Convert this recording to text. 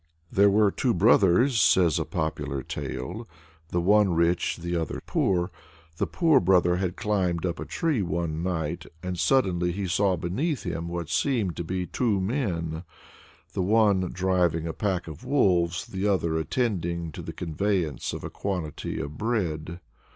There were two brothers (says a popular tale), the one rich, the other poor. The poor brother had climbed up a tree one night, and suddenly he saw beneath him what seemed to be two men the one driving a pack of wolves, the other attending to the conveyance of a quantity of bread.